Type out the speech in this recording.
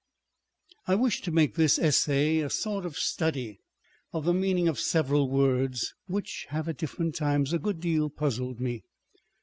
I WISH to make this Essay a sort of study of the meaning of several words, which have at different times a good deal puzzled me.